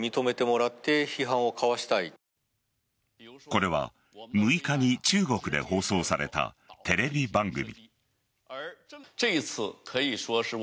これは６日に中国で放送されたテレビ番組。